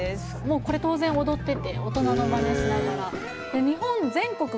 これ当然踊ってて大人のまねしながら。